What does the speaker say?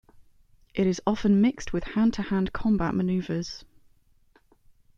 It is often mixed with hand-to-hand combat maneuvers.